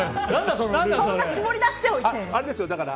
そんな絞り出しておいて。